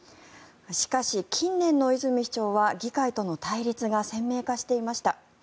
しかし、近年の泉市長は議会との対立が鮮明化していました。